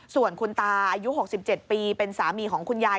ส่วนคุณตาอายุ๖๗ปีเป็นสามีของคุณยาย